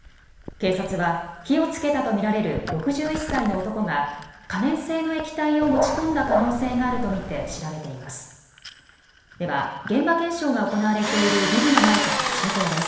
警察は火をつけたと見られる６１歳の男が可燃性の液体を持ち込んだ可能性があると見て調べています。